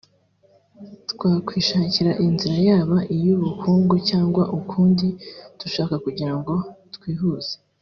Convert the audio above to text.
twakwishakira inzira yaba iy’ubukungu cyangwa ukundi dushaka kugira ngo twihuze